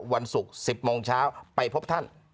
วันสุขสิบโมงเช้าไปพบท่าน